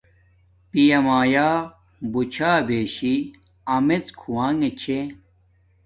پیا مایا بوچھا بیشی امڎ کھوانگے چھے